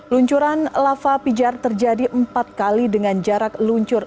luncuran lava pijar terjadi empat kali dengan jarak luncur